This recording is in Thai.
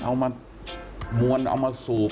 เอามามวลเอามาสูบ